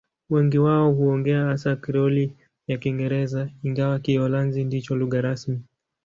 Wengi wao huongea hasa Krioli ya Kiingereza, ingawa Kiholanzi ndicho lugha rasmi.